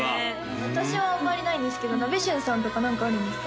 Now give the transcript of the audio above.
私はあんまりないんですけどナベシュンさんとか何かあるんですか？